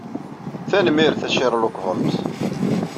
Tanemmirt a Sherlock Holmes.